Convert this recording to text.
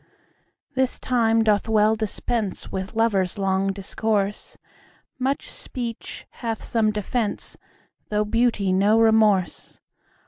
This time doth well dispense With lovers' long discourse; Much speech hath some defence, 15 Though beauty no remorse.